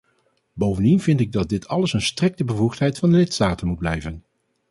Bovendien vind ik dat dit alles een strikte bevoegdheid van de lidstaten moet blijven.